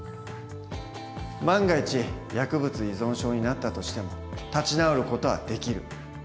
万が一薬物依存症になったとしても立ち直る事はできる。